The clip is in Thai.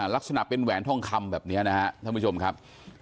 ลักษณะเป็นแหวนทองคำแบบนี้นะครับท่านผู้ชมครับ